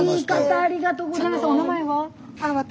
ありがとうございます。